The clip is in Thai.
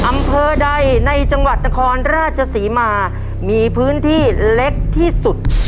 อำเภอใดในจังหวัดนครราชศรีมามีพื้นที่เล็กที่สุด